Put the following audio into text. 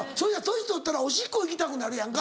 年取ったらおしっこ行きたくなるやんか。